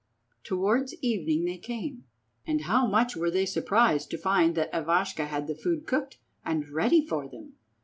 Towards evening they came, and how much were they surprised to find that Ivashka had the food cooked and ready for them!